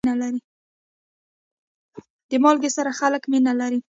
د مالګې سره خلک مینه لري.